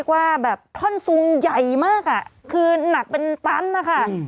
ว่าแบบท่อนซุงใหญ่มากอ่ะคือหนักเป็นตันนะคะ